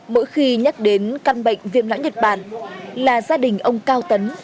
mỗi khi nhắc đến căn bệnh viêm não nhật bản là gia đình ông cao tấn